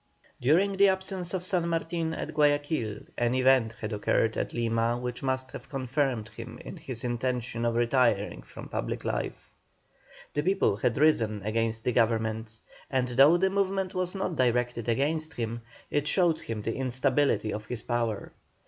During the absence of San Martin at Guayaquil an event had occurred at Lima which must have confirmed him in his intention of retiring from public life. The people had risen against the Government, and though the movement was not directed against him, it showed him the instability of his power.